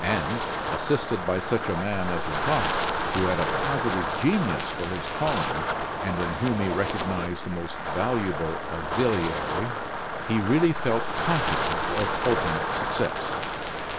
And, assisted by such a man as Lecoq, who had a positive genius for his calling, and in whom he recognized a most valuable auxiliary, he really felt confident of ultimate success.